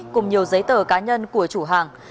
cùng nhiều giấy tờ cá nhân của chủ hàng